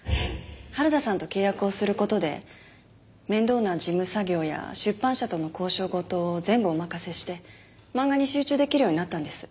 原田さんと契約をする事で面倒な事務作業や出版社との交渉事を全部お任せして漫画に集中出来るようになったんです。